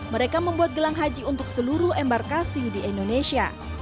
mereka membuat gelang haji untuk seluruh embarkasi di indonesia